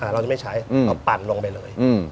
เราจะไม่ใช้เราปั่นลงไปเลย